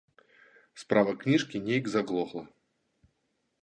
Справа кніжкі нейк заглохла.